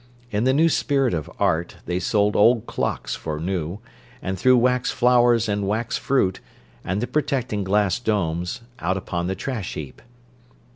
In the new spirit of art they sold old clocks for new, and threw wax flowers and wax fruit, and the protecting glass domes, out upon the trash heap.